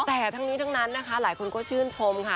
แต่ทั้งนี้ทั้งนั้นนะคะหลายคนก็ชื่นชมค่ะ